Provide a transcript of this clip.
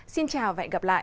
xin chào và hẹn gặp lại